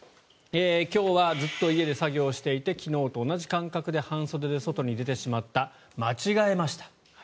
今日はずっと家で作業していて昨日と同じ感覚で半袖で外に出てしまった間違えました。